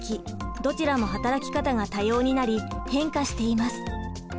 どちらも働き方が多様になり変化しています。